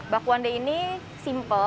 bakwan day ini simpel